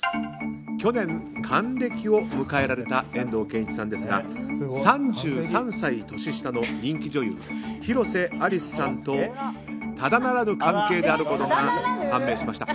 去年、還暦を迎えられた遠藤憲一さんですが３３歳年下の人気女優・広瀬アリスさんとただならぬ関係であることが判明しました。